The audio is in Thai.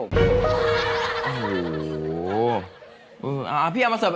เมนูชูชีกุ้งสอดไส้ง้ออาหารไทยรสชาติร้อนแรง